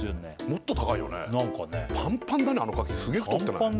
もっと高いよねパンパンだねあのかきすげえ太ってない？